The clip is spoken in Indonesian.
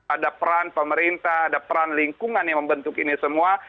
ada peran pemerintah ada peran lingkungan yang membentuk ini semua